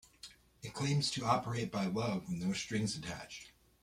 It claims to operate "by love with no strings attached".